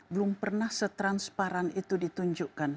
belum pernah setransparan itu ditunjukkan